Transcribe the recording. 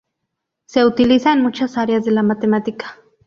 Se utiliza en muchas áreas de la matemática.